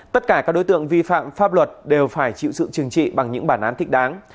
tất cả các đối tượng vi phạm pháp luật đều phải chịu sự chừng trị bằng những bản án thích đáng